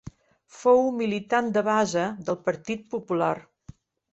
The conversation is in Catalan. Fou militant de base del Partit Popular.